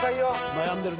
悩んでるな。